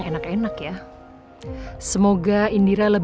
gak ada stok lagi